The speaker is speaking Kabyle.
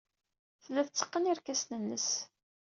Tella tetteqqen irkasen-nnes.